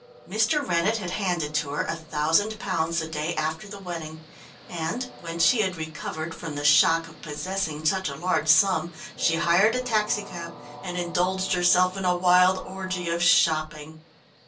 Mr. Rennett had handed to her a thousand pounds the day after the wedding, and when she had recovered from the shock of possessing such a large sum, she hired a taxicab and indulged herself in a wild orgy of shopping.